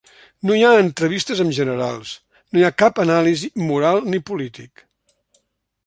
No hi ha entrevistes amb generals; no hi ha cap anàlisi moral ni polític.